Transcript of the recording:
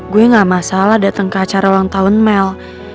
gue gak masalah datang ke acara ulang tahun mel